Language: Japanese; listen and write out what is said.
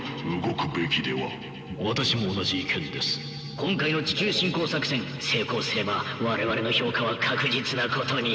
今回の地球侵攻作戦成功すれば我々の評価は確実なことに。